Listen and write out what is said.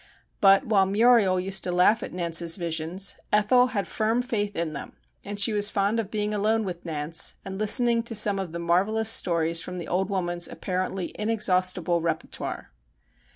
But while Muriel used to laugh at Nance's visions, Ethel had firm faith in them, and she was fond of being alone with Nance, and listening to some of the marvellous stories from the old woman's apparently inexhaustible repertoire.